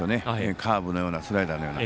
カーブのようなスライダーのような。